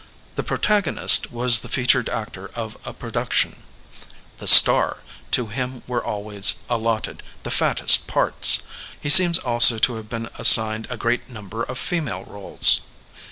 The protagonist was the fea tured actor of a production — ^the star. To him were always allotted the fattest parts; he seems also to have been assigned a great number of female roles.